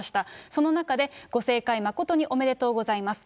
その中でご盛会誠におめでとうございます。